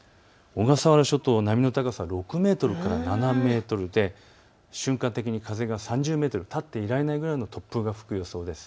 小笠原諸島、波の高さが６メートルから７メートルで瞬間的に風が３０メートル、立っていられないくらいの突風が吹く予想です。